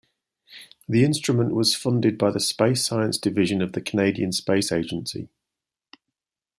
The instrument was funded by the Space Science Division of the Canadian Space Agency.